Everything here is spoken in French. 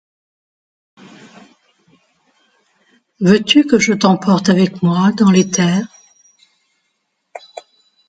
Veux-tu que je t’emporte avec moi dans l’éther ?